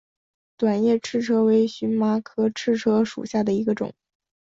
短叶赤车为荨麻科赤车属下的一个种。